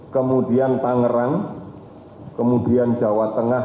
kemudian tangerang kemudian jawa tengah